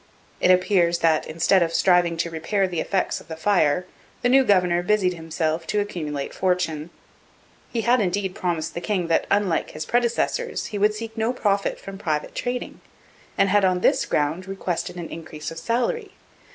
It appears that, instead of striving to repair the effects of the fire, the new governor busied himself to accumulate fortune. He had indeed promised the king that, unlike his predecessors, he would seek no profit from private trading, and had on this ground requested an increase of salary.